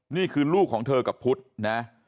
นี่คือลูกของเธอกับพุทธนะ